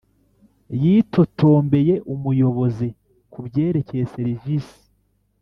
yitotombeye umuyobozi kubyerekeye serivisi.